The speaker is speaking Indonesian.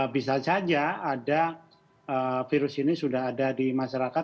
bisa saja ada virus ini sudah ada di masyarakat